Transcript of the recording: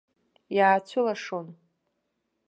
Иаацәылашон.